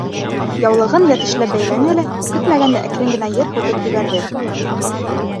Яулығын йәтешләп бәйләне лә көтмәгәндә әкрен генә йыр һуҙып ебәрҙе: